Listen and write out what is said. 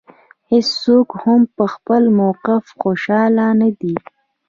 هېڅوک هم په خپل موقف خوشاله نه دی.